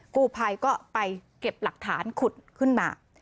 กู้ภัยก็ไปเก็บหลักฐานขุดขึ้นมา